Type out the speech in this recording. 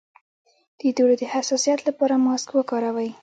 د دوړو د حساسیت لپاره ماسک وکاروئ